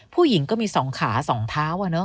ผู้หญิงก็มี๒ขา๒เท้า